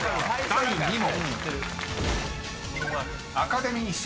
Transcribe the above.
［第２問］